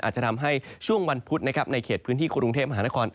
อาจจะทำให้ช่วงวันพุธนะครับในเขตพื้นที่กรุงเทพมหานคร